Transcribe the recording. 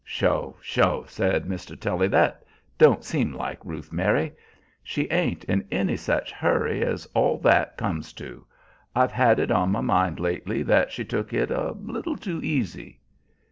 "Sho, sho!" said Mr. Tully. "That don't seem like Ruth Mary. She ain't in any such a hurry as all that comes to. I've had it on my mind lately that she took it a little too easy."